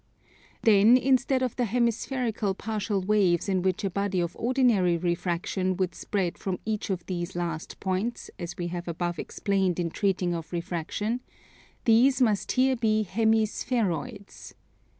Then instead of the hemispherical partial waves which in a body of ordinary refraction would spread from each of these last points, as we have above explained in treating of refraction, these must here be hemi spheroids.